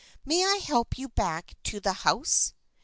May I help you back to the house